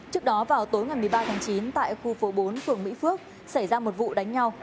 trước đó vào tối ngày một mươi ba tháng chín tại khu phố bốn phường mỹ phước xảy ra một vụ đánh nhau